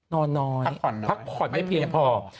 นอนพักผ่อนไม่เพียงพอ